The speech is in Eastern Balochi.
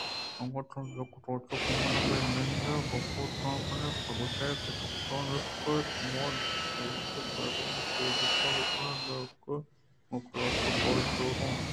اگاں تو یک روچے گوں من بہ نند ئے گپ ءُترٛانےکناں بہ گوٛش کہ تو کجا نشتگ اِت ؟من گوں اد ءِ بزگراں چے گپ بہ کناں نیئکہ گوں قلات ءِ کارے داراں